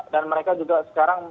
dan mereka juga sekarang